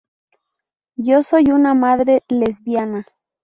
Yo soy una madre lesbiana.